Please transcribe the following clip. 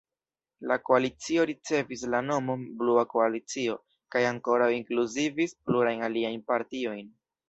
La koalicio ricevis la nomon "Blua Koalicio" kaj ankoraŭ inkluzivis plurajn aliajn partiojn.